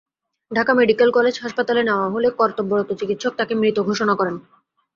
Dhaka medical college হাসপাতালে নেওয়া হলে কর্তব্যরত চিকিৎসক তাঁকে মৃত ঘোষণা করেন।